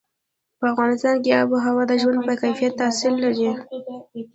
په افغانستان کې آب وهوا د ژوند په کیفیت تاثیر لري.